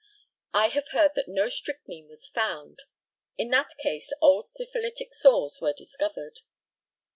I have heard that no strychnine was found. In that case old syphilitic sores were discovered.